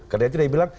karena itu dia bilang